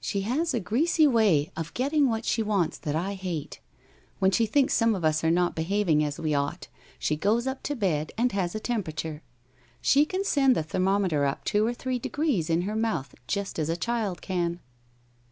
She lias a greasy way of getting what she wants that I hate. When she thinks some of us arc not hehaving as we ought, she goes up to bed and has a tem perature. She can send the thermometer up two or three degrees in her mouth, just as a child can.'